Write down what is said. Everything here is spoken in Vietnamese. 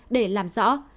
để làm rõ